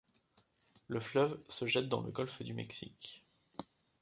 Le fleuve se jette dans le golfe du Mexique.